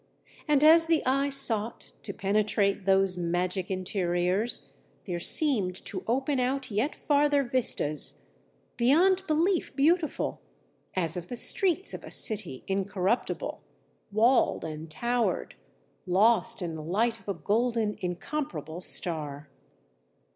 And as the eye sought to penetrate those magic interiors there seemed to open out yet farther vistas, beyond belief beautiful, as of the streets of a city incorruptible, walled and towered, lost in the light of a golden incomparable star."